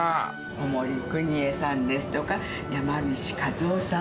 小森邦衞さんですとか山岸一男さん